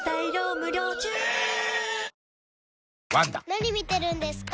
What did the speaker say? ・何見てるんですか？